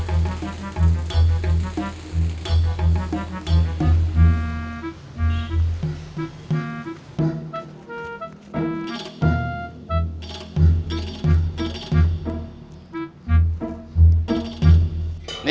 ya makasih ya pak ji